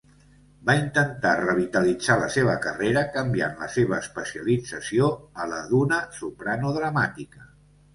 Va intentar revitalitzar la seva carrera canviant la seva especialització a la d'una soprano dramàtica.